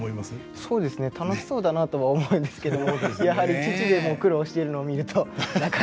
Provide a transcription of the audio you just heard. そうですね楽しそうだなとは思うんですけどもやはり父でも苦労しているのを見るとなかなか。